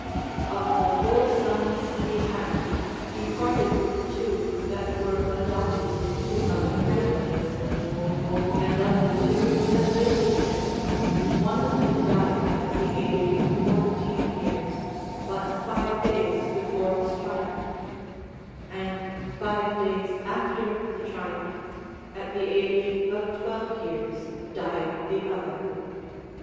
Of the four sons he had. he parted with two that were adopted into other families ; and of the two that lived Avith him, one of them died at the age of fourteen years, but five days before his triumph; and five days after the triumph, at the age of twelve years died the other.